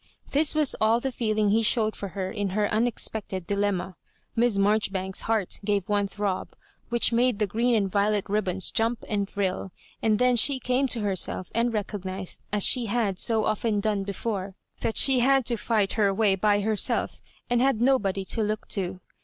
This was all the feeling he showed for her in her unex pected dilemma. Miss Marjoribanks's heart gave one throb, which made the green and violet ribbons jump and thrill; and then she came to herself, and recognised, as she had BO often done before, that she had to fight her way by herself and had nobody to look to.